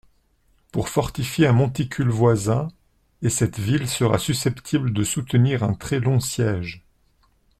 pour fortifier un monticule voisin, et cette ville sera susceptible de soutenir un très-long siège.